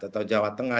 atau jawa tengah